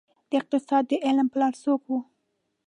د اقتصاد د علم پلار څوک وه؟